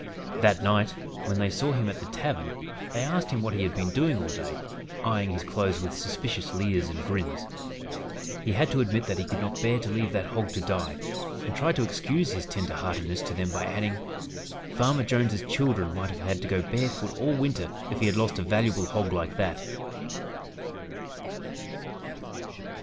That night, when they saw him at the tavern, they asked him what he had been doing all day, eying his clothes with suspicious leers and grins. He had to admit that he could not bear to leave that hog to die, and tried to excuse his tender heartedness to them by adding: "Farmer Jones's children might have had to go barefoot all Winter if he had lost a valuable hog like that!"